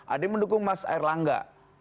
ada yang mendukung mas air langga